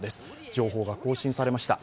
情報が更新されました。